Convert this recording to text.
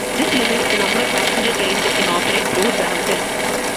This limits the number of passenger trains that can operate through Brampton.